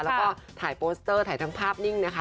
แล้วก็ถ่ายโปสเตอร์ถ่ายทั้งภาพนิ่งนะคะ